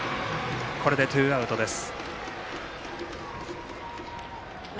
これでツーアウトです。